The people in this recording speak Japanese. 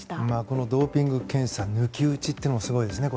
このドーピング検査抜き打ちっていうのもすごいですね。